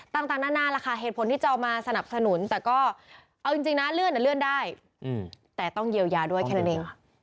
ต่างนานาล่ะค่ะเหตุผลที่จะเอามาสนับสนุนแต่ก็เอาจริงนะเลื่อนได้แต่ต้องเยียวยาด้วยแค่นั้นเอง